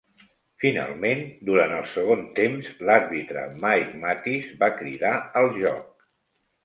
Finalment, durant el segon temps, l'àrbitre Mike Mathis va cridar al joc.